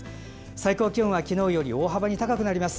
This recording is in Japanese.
最高気温は昨日より大幅に高くなります。